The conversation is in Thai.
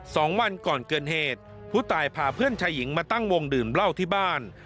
สองวันก่อนเกิดเหตุผู้ตายพาเพื่อนชายหญิงมาตั้งวงดื่มเหล้าที่บ้าน